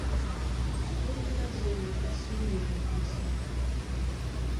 Колькі разоў я прасіў яе ў пісьмах?